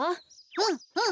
うんうん！